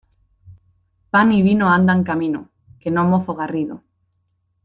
Pan y vino andan camino, que no mozo garrido.